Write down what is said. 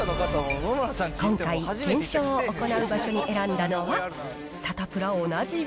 今回検証を行う場所に選んだのは『サタプラ』おなじみ